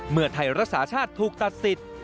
เมื่อไทยรักษาชาติถูกตัดสิทธิ์